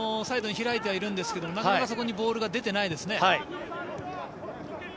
サイドに開いてはいますがなかなか、そこにボールが出ていないですね。